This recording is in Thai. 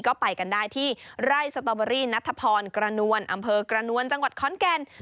ก็ไปกันได้ที่ไร่สตอเบอรี่นัทพรกระนวลอำเภอกระนวลจังหวัดขอนแก่น